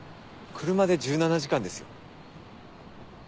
車で１７時間ですよ？